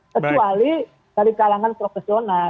kecuali dari kalangan profesional